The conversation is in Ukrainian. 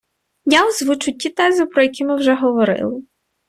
я озвучу ті тези, про які ми вже говорили.